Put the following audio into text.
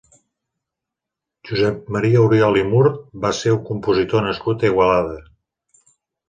Josep Maria Oriol i Murt va ser un compositor nascut a Igualada.